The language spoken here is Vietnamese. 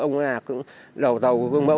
ông là cũng đầu đầu của quân bộ